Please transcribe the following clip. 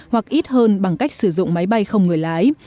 hoặc ít hơn bằng cách sử dụng máy bay không người lái